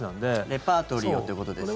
レパートリーをということですよね。